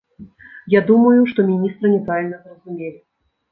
Я думаю, што міністра няправільна зразумелі.